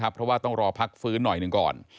เพราะว่าต้องรอพักฟื้นหน่อยหนึ่งก่อน